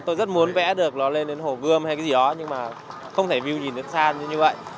tôi rất muốn vẽ được nó lên đến hổ gươm hay cái gì đó nhưng mà không thể view nhìn đến xa như vậy